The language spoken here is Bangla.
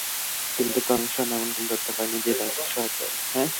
কিন্তু কমিশন এমন কোনো তথ্য পায়নি যে তাঁদের সরাতে হবে।